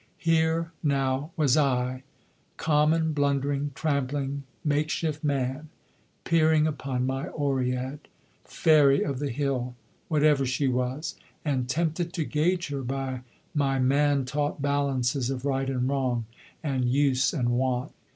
Here, now, was I, common, blundering, trampling, make shift man, peering upon my Oread fairy of the hill, whatever she was and tempted to gauge her by my man taught balances of right and wrong, and use and wont.